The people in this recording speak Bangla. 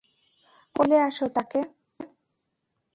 কোথায় ফেলে আসো তাকে।